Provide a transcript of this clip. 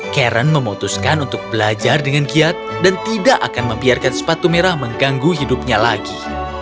karen memutuskan untuk belajar dengan kiat dan tidak akan membiarkan sepatu merah mengganggu hidupnya lagi